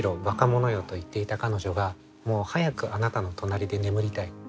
ばかものよと言っていた彼女がもう早くあなたの隣で眠りたい。